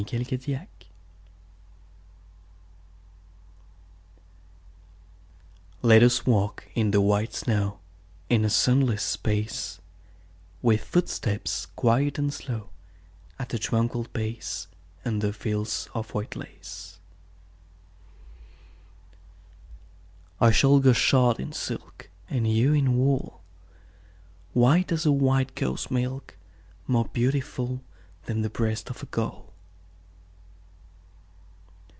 VELVET SHOES Let us walk in the white snow In a soundless space; With footsteps quiet and slow, At a tranquil pace, Under veils of white lace. I shall go shod in silk, And you in wool, White as a white cow's milk, More beautiful Than the breast of a gull.